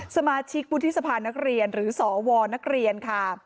สมาชิกวุฒิสภานักเรียนหรือสวนักเรียนค่ะ